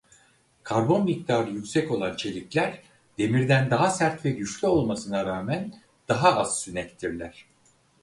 Karbon miktarı yüksek olan çelikler demirden daha sert ve güçlü olmasına rağmen daha az sünektirler.